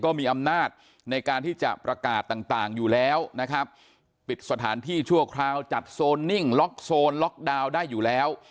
มีอำนาจในการที่จะประกาศต่างอยู่แล้วนะครับปิดสถานที่ชั่วคราวจัดโซนนิ่งล็อกโซนล็อกดาวน์ได้อยู่แล้ว